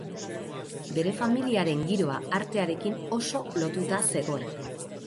Bere familiaren giroa artearekin oso lotuta zegoen.